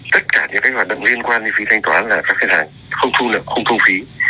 tất cả những cái hoạt động liên quan đến phí thanh toán là các ngân hàng không thu lập không thu phí